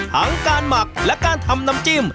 ทั้งการหมักและการทำน้ำจิ้ม